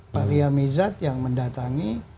pak ria mizat yang mendatangi